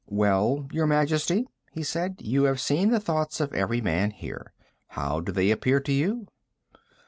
"Well, Your Majesty?" he said. "You have seen the thoughts of every man here. How do they appear to you?"